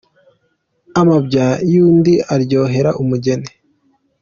Amabya y'undi aryohera umugeri.